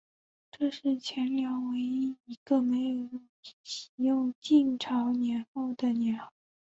这是前凉唯一一个没有袭用晋朝年号的年号。